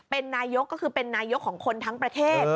เป็นนายกก็คือเป็นนายกของคนทั้งประเทศ